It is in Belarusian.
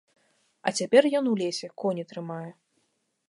А цяпер ён у лесе, коні трымае.